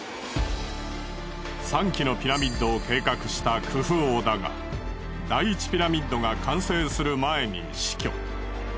３基のピラミッドを計画したクフ王だが第１ピラミッドが完成する前に死去。